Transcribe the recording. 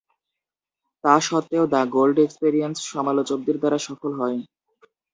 তা সত্ত্বেও, "the gold experience" সমালোচকদের দ্বারা সফল হয়।